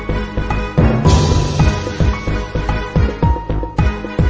เพราะไม่ได้ยืนยอมมันต้องอีก